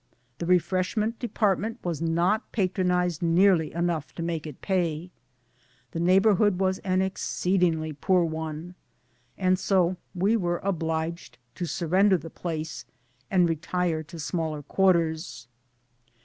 The refreshment department was not patronized nearly enough to make it pay. The neigh borhood was an exceedingly poor one. And so we were obliged to surrender the place, and retire to smaller quarters.